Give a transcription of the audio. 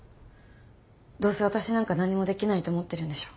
どうせ私なんか何もできないと思ってるんでしょ。